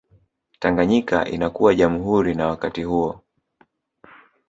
Tanganyika inakuwa jamhuri na wakati huo